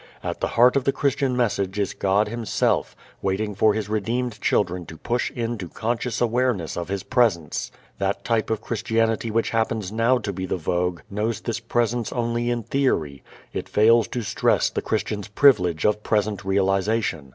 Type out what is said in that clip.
At the heart of the Christian message is God Himself waiting for His redeemed children to push in to conscious awareness of His Presence. That type of Christianity which happens now to be the vogue knows this Presence only in theory. It fails to stress the Christian's privilege of present realization.